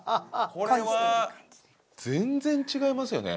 これは全然違いますよね。